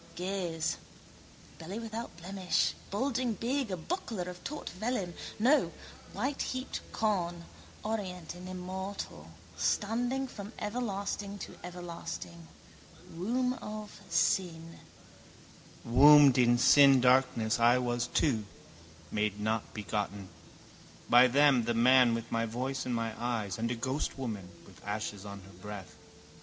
Gaze. Belly without blemish, bulging big, a buckler of taut vellum, no, whiteheaped corn, orient and immortal, standing from everlasting to everlasting. Womb of sin. Wombed in sin darkness I was too, made not begotten. By them, the man with my voice and my eyes and a ghostwoman with ashes on her breath.